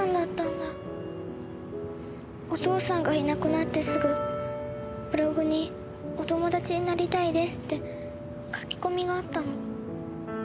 お父さんがいなくなってすぐブログにお友達になりたいですって書き込みがあったの。